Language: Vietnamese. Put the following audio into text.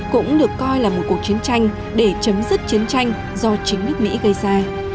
cũng được coi là một cuộc chiến tranh để chấm dứt chiến tranh do chính nước mỹ gây ra